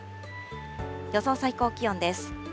予想最高気温です。